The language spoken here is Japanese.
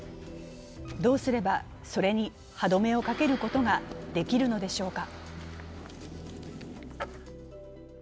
どうすれば、それに歯止めをかけることができるのでしょうか。